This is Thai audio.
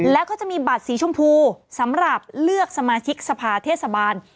แล้วก็จะมีบัตรสีชมพูสำหรับเลือกสมาชิกสภาเทศบาล